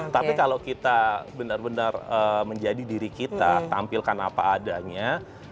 tapi kalau kita benar benar menjadi diri kita tampilkan apa adanya